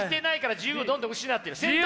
自由をどんどん失ってる。